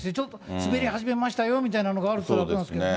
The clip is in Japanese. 滑り始めましたよみたいなのがあるといいですけどね。